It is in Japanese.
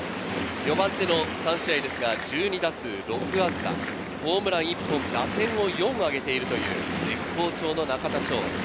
４番での３試合ですが、１２打数６安打、ホームラン１本、打点も４あげているという絶好調の中田翔。